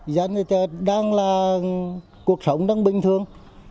dân thì đang là cuộc sống đang bình thường